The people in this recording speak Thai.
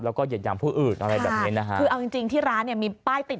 แล้วก็เหยียดยามผู้อื่นอะไรแบบนี้นะฮะคือเอาจริงจริงที่ร้านเนี่ยมีป้ายติด